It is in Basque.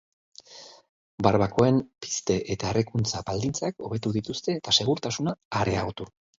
Barbakoen pizte eta errekuntza baldintzak hobetu dituzte eta segurtasuna areagotu.